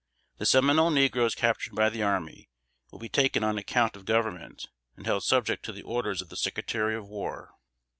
The Seminole negroes captured by the army, will be taken on account of Government and held subject to the orders of the Secretary of War.